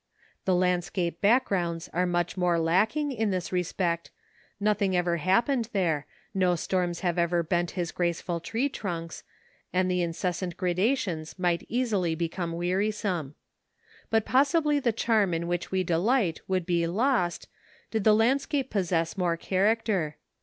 The landscape backgrounds are much more lacking in this respect, nothing ever happened there, no storms have ever bent his graceful tree trunks, and the incessant gradations might easily become wearisome. But possibly the charm in which we delight would be lost, did the landscape possess more character.